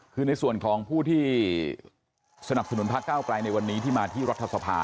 คือในส่วนของผู้ที่สนับสนุนพระเก้าไกลในวันนี้ที่มาที่รัฐสภา